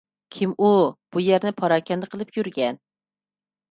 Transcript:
كىم ئۇ، بۇ يەرنى پاراكەندە قىلىپ يۈرگەن !؟